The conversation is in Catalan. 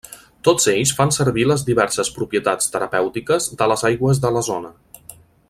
Tots ells fan servir les diverses propietats terapèutiques de les aigües de la zona.